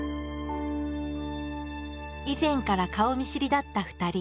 以前から顔見知りだった２人。